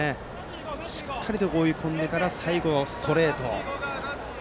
しっかりと追い込んでから最後、ストレート。